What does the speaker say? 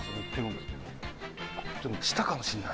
でも下かもしれない。